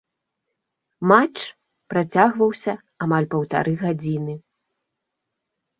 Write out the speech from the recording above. Матч працягваўся амаль паўтары гадзіны.